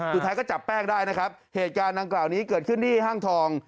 สุดท้ายก็จับแป้งได้นะครับเหตุการณ์ดังกล่าวนี้เกิดขึ้นที่ห้างทอง